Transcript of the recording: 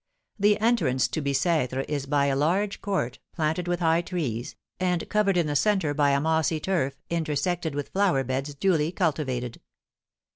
The entrance to Bicêtre is by a large court, planted with high trees, and covered in the centre by a mossy turf, intersected with flower beds duly cultivated.